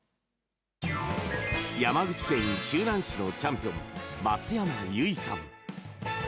山口県周南市のチャンピオン松山唯さん。